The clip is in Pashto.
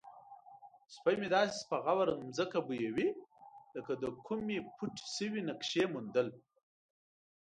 سپی مې داسې په غور ځمکه بویوي لکه د کومې پټې شوې نقشې موندل.